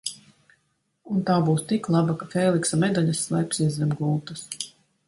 Un tā būs tik laba, ka Fēliksa medaļas slēpsies zem gultas!